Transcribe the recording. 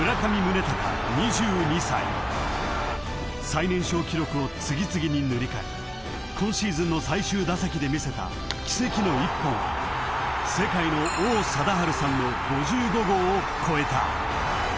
［最年少記録を次々に塗り替え今シーズンの最終打席で見せた奇跡の一本は世界の王貞治さんの５５号を超えた］